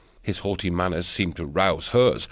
His haughty manner seemed to rouse hers.